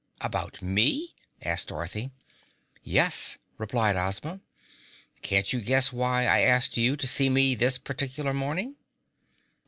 "About me?" asked Dorothy. "Yes," replied Ozma. "Can't you guess why I asked you to see me this particular morning?"